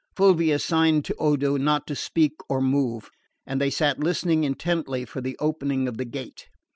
Fulvia signed to Odo not to speak or move; and they sat listening intently for the opening of the gate.